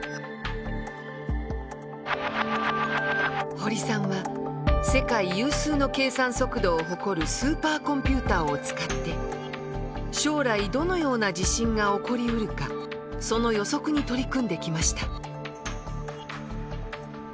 堀さんは世界有数の計算速度を誇るスーパーコンピューターを使って将来どのような地震が起こりうるかその予測に取り組んできました。